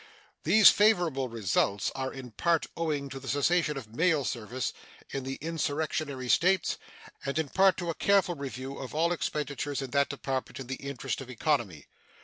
These favorable results are in part owing to the cessation of mail service in the insurrectionary States and in part to a careful review of all expenditures in that Department in the interest of economy.